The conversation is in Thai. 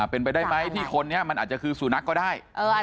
เป็นไปได้ไหมที่คนนี้มันอาจจะคือสุนัขก็ได้